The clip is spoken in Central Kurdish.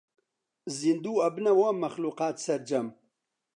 زیندوو ئەبنەوە مەخلووقات سەرجەم